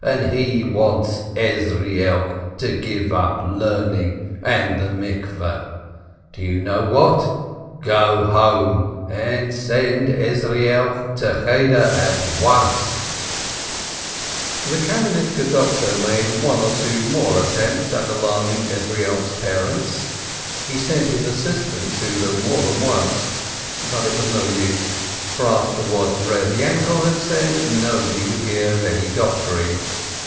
And he wants Ezrielk to give up learning and the bath ? Do you know what ? Go home and send Ezrielk to Cheder at once !" EZEIELK THE SCKIBE 227 The Kamenivke doctor made one or two more at tempts at alarming Ezrielk's parents ; he sent his assist ant to them more than once, but it was no use, for after what Eeb Yainkel had said, nobody would hear of any doctoring.